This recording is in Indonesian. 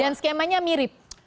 dan skemanya mirip